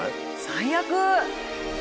最悪！